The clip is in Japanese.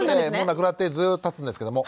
亡くなってずっとたつんですけども。